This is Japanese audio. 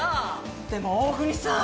でも、大國さん！